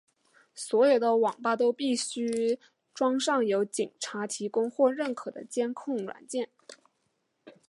所有的网吧都必须装上由警察提供或认可的监控软件。